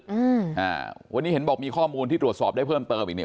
อืมอ่าวันนี้เห็นบอกมีข้อมูลที่ตรวจสอบได้เพิ่มเติมอีกเนี่ย